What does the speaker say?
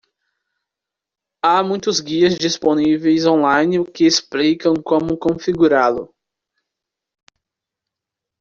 Há muitos guias disponíveis on-line que explicam como configurá-lo.